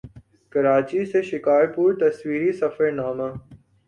کراچی سے شکارپور تصویری سفرنامہ